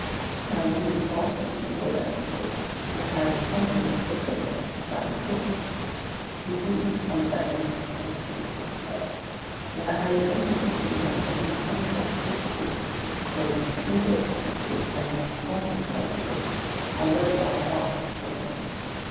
Now you as a botanist would, I suppose, incline to something as they say, "scientific." You wince under that most offensive epithet and I am able to give you my intelligent sympathy though "pseudo scientific" and "quasi scientific" are worse by far for the skin.